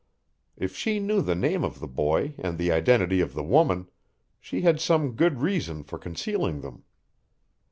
If she knew the name of the boy and the identity of the woman, she had some good reason for concealing them.